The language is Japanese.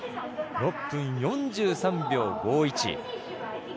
６分４３秒５１。